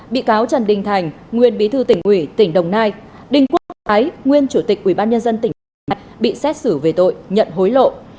bị cáo trần đình thành nguyên bí thư tỉnh ủy tỉnh đồng nai đinh quốc thái nguyên chủ tịch ubnd tỉnh bình định bị xét xử về tội nhận hối lộ